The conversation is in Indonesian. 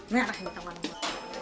ngerahin tangan gue